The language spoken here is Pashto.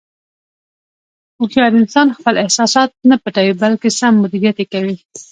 هوښیار انسان خپل احساسات نه پټوي، بلکې سم مدیریت یې کوي.